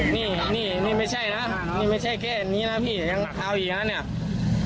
นี่นี่นี่ไม่ใช่นะนี่ไม่ใช่แค่นี้น่ะพี่ยังเผาอยู่แล้วเนี้ย